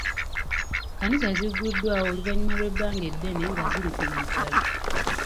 Kkanisa zigguddwawo oluvannyuma lw'ebbanga eddene nga ziri ku muggalo.